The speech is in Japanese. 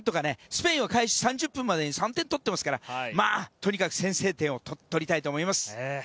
スペインは開始３０分までに３点取っていますからとにかく先制点を取りたいと思います。